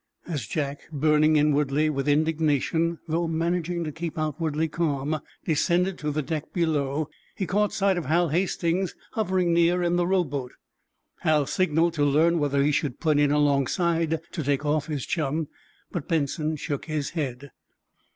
As Jack, burning inwardly with indignation, though managing to keep outwardly calm, descended to the deck below, he caught sight of Hal Hastings, hovering near in the rowboat. Hal signaled to learn whether he should put in alongside to take off his chum, but Benson shook his head.